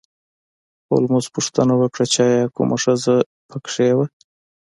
هولمز پوښتنه وکړه چې ایا کومه ښځه په کې وه